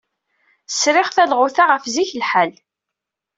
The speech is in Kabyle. Sriɣ talɣut-a ɣef zik lḥal.